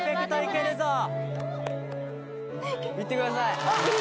えっいってください